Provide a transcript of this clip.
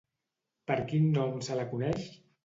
Per quin nom se la coneix?